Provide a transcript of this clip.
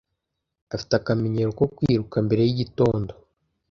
Afite akamenyero ko kwiruka mbere yigitondo.